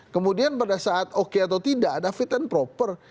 kemudian pada saat oke atau tidak ada fit and proper